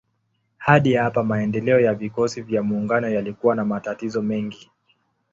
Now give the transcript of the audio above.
Hadi hapa maendeleo ya vikosi vya maungano yalikuwa na matatizo mengi.